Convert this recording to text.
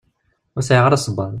Ur sɛiɣ ara sebbaḍ.